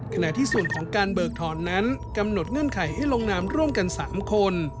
ขณะที่ส่วนของการเบิกถอนนั้นกำหนดเงื่อนไขให้ลงนามร่วมกัน๓คน